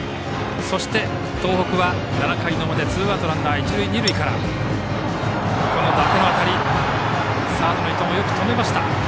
そして、東北は７回の表ツーアウトランナー、一塁二塁から伊達の当たり、サードの伊藤もよく止めました。